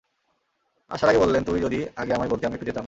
আসার আগে বললেন, তুই যদি আগে আমায় বলতি, আমি একটু যেতাম।